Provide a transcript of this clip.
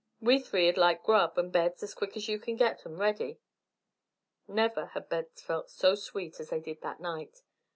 We three'd like grub and beds as quick as you kin git 'em ready." Never had beds felt so sweet as they did that night.